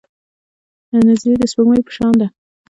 نجلۍ د سپوږمۍ په شان ده.